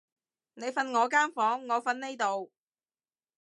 你瞓我間房，我瞓呢度